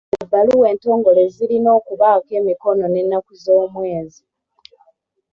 Ebbaluwa entongole zirina okubaako emikono n'ennaku z'omwezi.